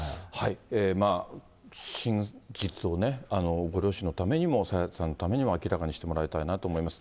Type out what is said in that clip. まあ、真実をご両親のためにも、朝芽さんのためにも明らかにしてもらいたいなと思います。